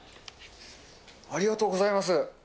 ありがとうございます。